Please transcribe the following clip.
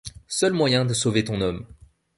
Seul moyen de sauver ton homme.